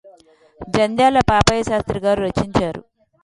జంధ్యాల పాపయ్యశాస్త్రిగారు రచించారు